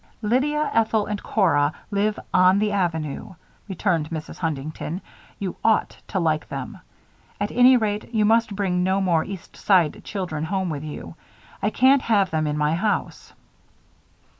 "Lydia, Ethel, and Cora live on the Avenue," returned Mrs. Huntington. "You ought to like them. At any rate, you must bring no more East Side children home with you. I can't have them in my house."